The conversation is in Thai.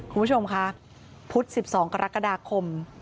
คุณผู้ชมค่ะพุธ๑๒กรกฎาคม